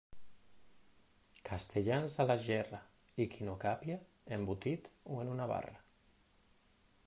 Castellans a la gerra, i qui no càpia, embotit, o en una barra.